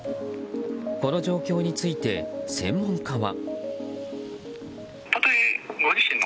この状況について専門家は。